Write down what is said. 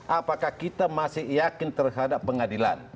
apakah kita masih yakin terhadap pengadilan